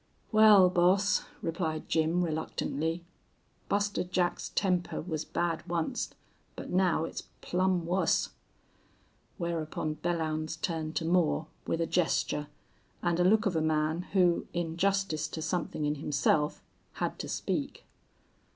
"Wal, boss," replied Jim, reluctantly, "Buster Jack's temper was bad onct, but now it's plumb wuss." Whereupon Belllounds turned to Moore with a gesture and a look of a man who, in justice to something in himself, had to speak.